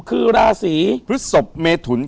คือราศีพุทธศพเมทุนกรกฎ